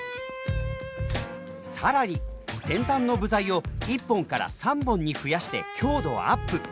さらに先端の部材を１本から３本に増やして強度アップ。